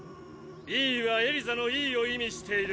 ＥはエリザのＥを意味している。